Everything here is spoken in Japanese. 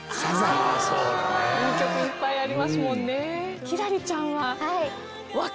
名曲いっぱいありますもんね。